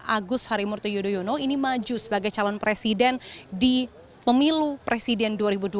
agus harimurti yudhoyono ini maju sebagai calon presiden di pemilu presiden dua ribu dua puluh